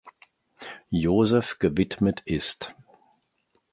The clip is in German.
Josef gewidmet ist.